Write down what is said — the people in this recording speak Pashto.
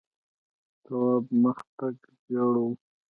تواب مخ تک ژېړ و.